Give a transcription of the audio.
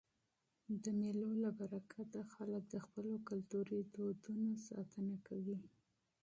د مېلو له برکته خلک د خپلو کلتوري دودونو ساتنه کوي.